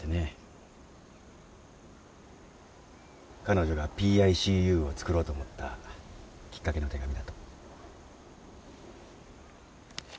彼女がＰＩＣＵを作ろうと思ったきっかけの手紙だと。